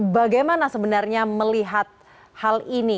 bagaimana sebenarnya melihat hal ini